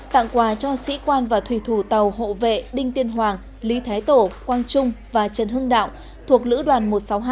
tặng quà cho sĩ quan và thủy thủ tàu hộ vệ đinh tiên hoàng lý thái tổ quang trung và trần hưng đạo thuộc lữ đoàn một trăm sáu mươi hai